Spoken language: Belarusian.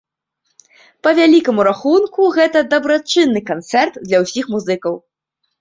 Па вялікаму рахунку, гэта дабрачынны канцэрт для ўсіх музыкаў.